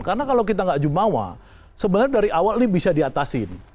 karena kalau kita nggak jumawa sebenarnya dari awal ini bisa diatasin